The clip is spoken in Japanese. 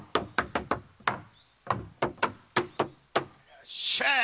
よっしゃ！